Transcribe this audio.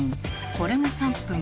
これも３分。